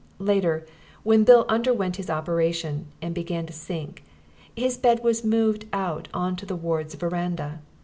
Later, when Bill underwent his operation, and began to sink, his bed was moved out on to the ward's verandah.